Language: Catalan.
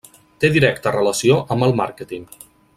Té directa relació amb el Màrqueting.